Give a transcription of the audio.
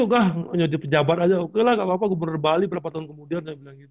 itu kan penjabat aja oke lah gak apa apa gue berbali beberapa tahun kemudian